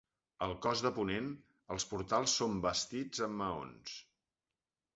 Al cos de ponent, els portals són bastits amb maons.